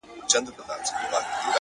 زلفـي را تاوي کړي پــر خپلـو اوږو،